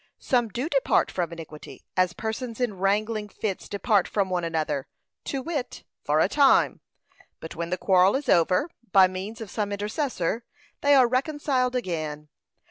Some do depart from iniquity, as persons in wrangling fits depart from one another; to wit, for a time, but when the quarrel is over, by means of some intercessor, they are reconciled again.